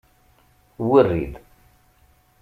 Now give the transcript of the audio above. Werri-d.